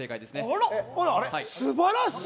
あらっ、すばらしい。